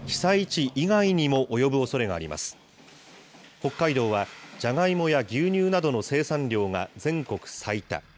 北海道はじゃがいもや牛乳などの生産量が全国最多。